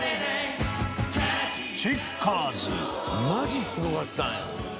マジすごかったね。